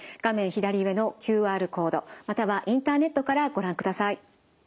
左上のＱＲコードまたはインターネットからご覧ください。